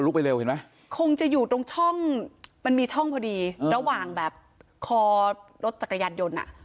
ไปเร็วเห็นไหมคงจะอยู่ตรงช่องมันมีช่องพอดีระหว่างแบบคอรถจักรยานยนต์อ่ะ